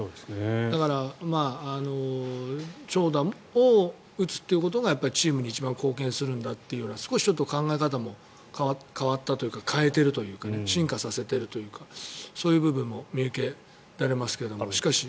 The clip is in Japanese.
だから長打を打つっていうことがチームに一番貢献するんだというような少し考え方も変わったというか変えているというか進化させているというかそういう部分も見受けられますけれども。